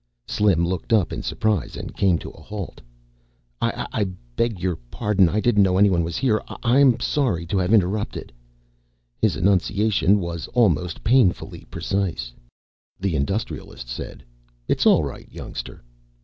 Slim looked up in surprise and came to a halt. "I beg your pardon. I didn't know anyone was here. I am sorry to have interrupted." His enunciation was almost painfully precise. The Industrialist said, "It's all right, youngster."